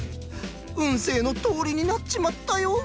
運勢のとおりになっちまったよ！